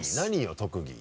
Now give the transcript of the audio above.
特技。